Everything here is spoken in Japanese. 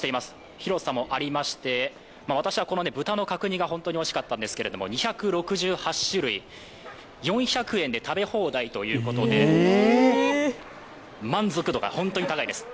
広さもありまして、私はこの豚の角煮が本当においしかったんですけど、２６８種類、４００円で食べ放題ということで、満足度が本当に高いです。